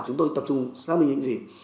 chúng tôi tập trung sáng bình những gì